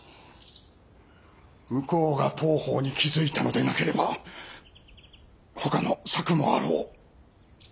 向こうが当方に気付いたのでなければ他の策もあろう。